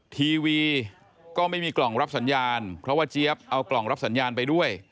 ทีวีก็ไม่มีกล่องรับสัญญาณเพราะว่าเจี๊ยบเอากล่องรับสัญญาณไปด้วย